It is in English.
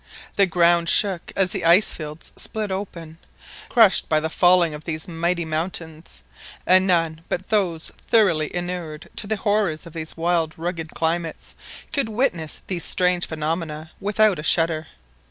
The ground shook as the ice fields split open, crushed by the falling of these mighty mountains, and none but those thoroughly inured to the horrors of these wild rugged climates could witness these strange phenomena without a shudder.